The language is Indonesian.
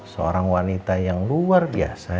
seorang wanita yang luar biasa